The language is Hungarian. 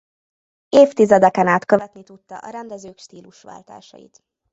Évtizedeken át követni tudta a rendezők stílusváltásait.